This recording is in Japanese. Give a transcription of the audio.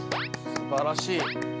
すばらしい。